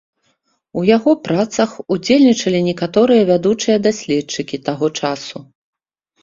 У яго працах удзельнічалі некаторыя вядучыя даследчыкі таго часу.